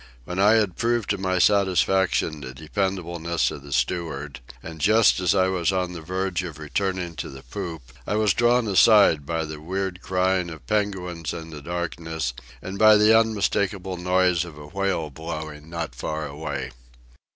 When I had proved to my satisfaction the dependableness of the steward, and just as I was on the verge of returning to the poop, I was drawn aside by the weird crying of penguins in the darkness and by the unmistakable noise of a whale blowing not far away.